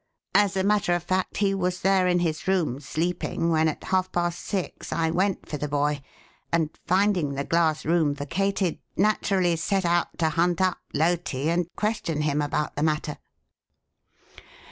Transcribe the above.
As a matter of fact, he was there in his room sleeping when, at half past six, I went for the boy, and, finding the glass room vacated, naturally set out to hunt up Loti and question him about the matter."